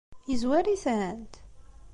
Yezwar-itent?